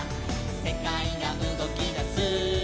「せかいがうごきだす」「」